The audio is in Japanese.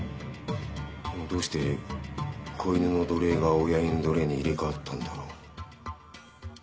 でもどうして子犬の土鈴が親犬の土鈴に入れ替わったんだろう。